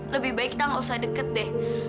lebih baik kita gak usah deket deh